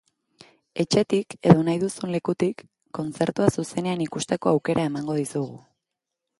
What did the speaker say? Etxetik, edo nahi duzun lekutik, kontzertua zuzenean ikusteko aukera emango dizugu.